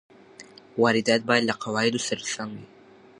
واردات باید له قواعدو سره سم وي.